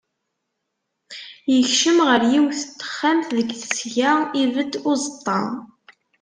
Yekcem ɣer yiwet n texxamt, deg tesga ibedd uẓeṭṭa.